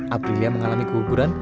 aprilia mengalami keguguran